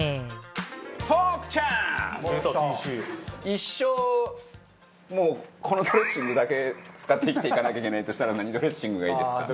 一生もうこのドレッシングだけ使って生きていかなきゃいけないとしたら何ドレッシングがいいですか？